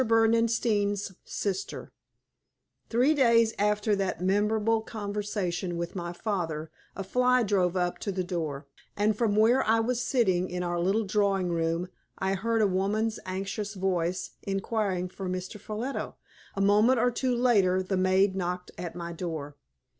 BERDENSTEIN'S SISTER Three days after that memorable conversation with my father a fly drove up to the door, and from where I was sitting in our little drawing room I heard a woman's anxious voice inquiring for Mr. Ffolliot. A moment or two later the maid knocked at my door.